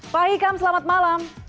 pak hikam selamat malam